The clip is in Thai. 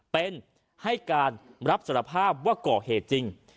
เป็นให้การรับสารภาพว่าก่อเหตุจริง